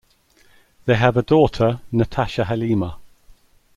They have a daughter, Natasha Haleema.